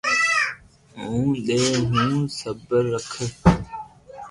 ھون ديو ھون ني سبر رک